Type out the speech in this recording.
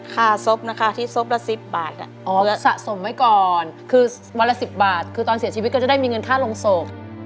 คือวันละ๑๐บาทคือตอนเสียชีวิตก็จะได้มีเงินค่าโรงศพ